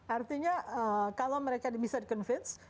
artinya kalau mereka bisa di convince